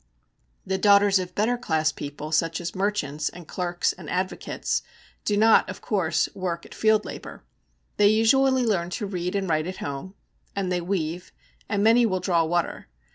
The daughters of better class people, such as merchants, and clerks, and advocates, do not, of course, work at field labour. They usually learn to read and write at home, and they weave, and many will draw water.